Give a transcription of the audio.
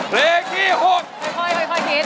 เรคที่๖